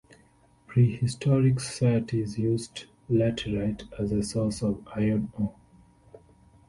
Prehistoric societies used laterite as a source of iron ore.